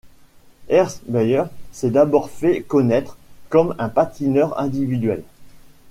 Ernst Baier s'est d'abord fait connaître comme un patineur individuel.